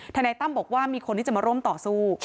นายตั้มบอกว่ามีคนที่จะมาร่วมต่อสู้